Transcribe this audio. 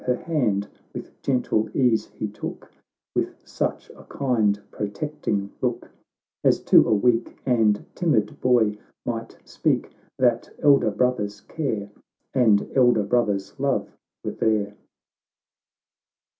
Her hand with gentle ease he took, With such a kind protecting look, As to a weak and timid boy Might speak, that elder brother's care And elder brother's love were there.